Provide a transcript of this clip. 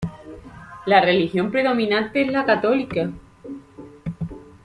La religión predominante es la Católica.